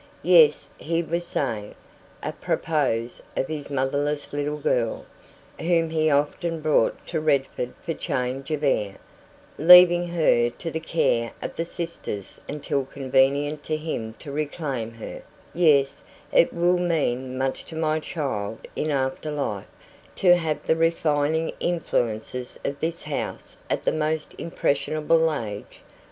"Yes," he was saying, A PROPOS of his motherless little girl whom he often brought to Redford for change of air, leaving her to the care of the sisters until convenient to him to reclaim her "yes, it will mean much to my child in after life to have had the refining influences of this house at the most impressionable age."